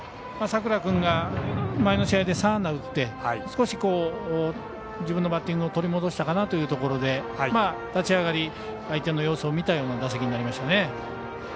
佐倉君が前の試合で３安打、打って少し自分のバッティングを取り戻したかなというところで立ち上がり相手の様子を見たような打席になりましたね。